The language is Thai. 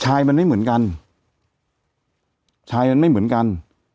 ชายมันไม่เหมือนกันชายมันไม่เหมือนกัน